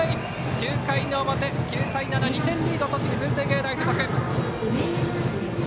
９回の表、９対７と２点リードの栃木・文星芸大付属。